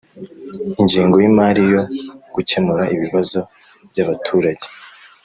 ingengo y imari yo gukemur ibibazo byabaturage